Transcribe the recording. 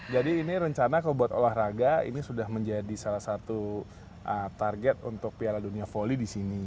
jadi ini rencana kalau buat olahraga ini sudah menjadi salah satu target untuk piala dunia volley di sini